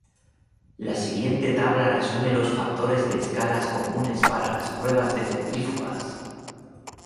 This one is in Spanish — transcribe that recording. La siguiente tabla resume los factores de escala comunes para las pruebas de centrífugas.